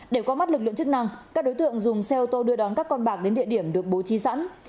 để qua mắt lực lượng chức năng các đối tượng dùng xe ô tô đưa đón các con bạc đến địa điểm được bố trí sẵn